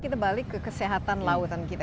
kita balik ke kesehatan lautan kita